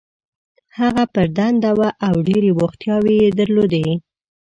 هغه پر دنده وه او ډېرې بوختیاوې یې درلودې.